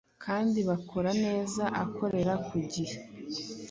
kandi bakora neza akorera kugihe .